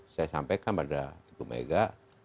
saya sampaikan pada ibu mega